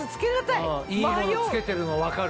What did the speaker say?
いいもの着けてるの分かる。